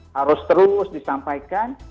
harus terus disampaikan